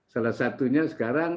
salah satunya sekarang